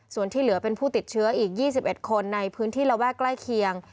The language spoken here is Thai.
ส่วนที่เหลือเป็นผู้ติดเชื้ออีก๒๑คนในพื้นที่ระแวกใกล้เคียง